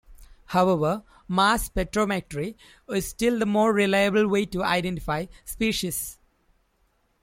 However, mass spectrometry is still the more reliable way to identify species.